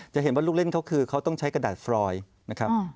จะเห็นว่าลูกเล่นเขาคือเขาต้องใช้กระดาษฟรอยนะครับ